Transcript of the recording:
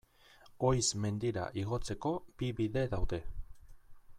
Oiz mendira igotzeko bi bide daude.